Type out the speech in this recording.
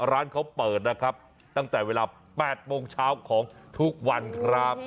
ร้านเขาเปิดนะครับตั้งแต่เวลา๘โมงเช้าของทุกวันครับ